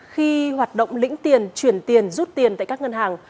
khi hoạt động lĩnh tiền chuyển tiền rút tiền tại các ngân hàng